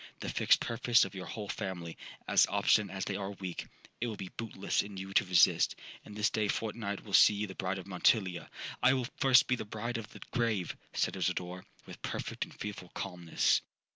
The fixed purpose of your whole family, as obstinate as they are weak, it will be bootless in you to resist; and this day fortnight will see you the bride of Montilla.'—'I will first be the bride of the grave,' said Isidora, with perfect and fearful calmness.